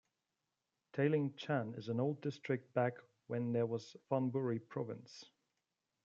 Taling Chan is an old district back when there was Thonburi Province.